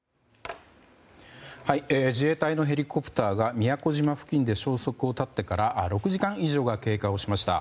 自衛隊のヘリコプターが宮古島付近で消息を絶ってから６時間以上が経過しました。